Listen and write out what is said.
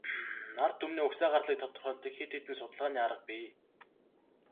Ард түмний угсаа гарлыг тодорхойлдог хэд хэдэн судалгааны арга бий.